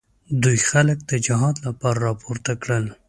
دوی خلک د جهاد لپاره راپورته کړل.